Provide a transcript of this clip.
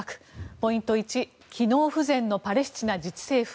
ポイント１機能不全のパレスチナ自治政府。